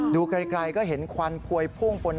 ดูไกลก็เห็นควันพวยพุ่งปน